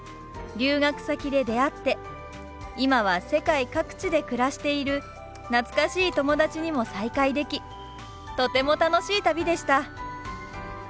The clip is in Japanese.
留学先で出会って今は世界各地で暮らしている懐かしい友達にも再会できとても楽しい旅でした！